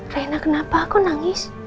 rena kenapa aku nangis